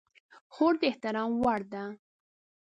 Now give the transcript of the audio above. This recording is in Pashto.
خور د احترام وړ ده.